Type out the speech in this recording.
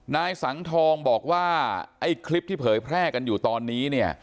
นายสังทองบอกว่าไอ้คลิปที่เผยแพร่กันอยู่ตอนนี้เนี่ย